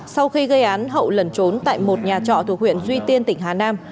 sau khi gây án hậu lẩn trốn tại một nhà trọ thuộc huyện duy tiên tỉnh hà nam